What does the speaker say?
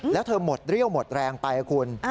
แล้วเธอหมดเรี่ยวหมดแรงไปนะคุณ